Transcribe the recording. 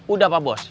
udah pak bos